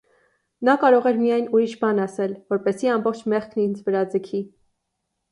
Նա կարող էր միայն ուրիշ բան ասել, որպեսզի ամբողջ մեղքն ինձ վրա ձգի: